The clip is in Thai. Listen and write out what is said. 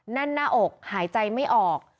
แน่นหน้าอกหายใจไม่ออก